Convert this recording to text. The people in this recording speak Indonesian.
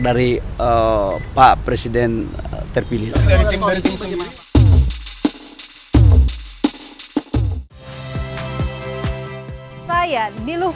dari pak presiden terpilih